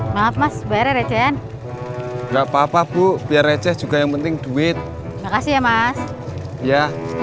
banget mas beri rejen nggak papa bu biar receh juga yang penting duit makasih ya mas ya